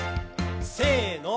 せの。